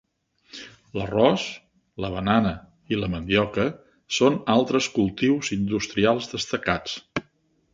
L'arròs, la banana i la mandioca són altres cultius industrials destacats.